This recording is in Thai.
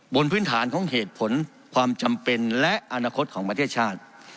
บนพื้นฐานของเหตุผลความจำเป็นและอนาคตของประเทศชาติ